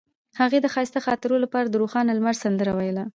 هغې د ښایسته خاطرو لپاره د روښانه لمر سندره ویله.